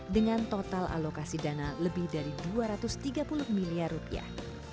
dengan total alokasi dana lebih dari dua ratus tiga puluh miliar rupiah